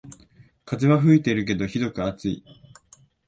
風は吹いてるけどひどく暑い